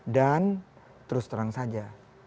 dan terus terang saja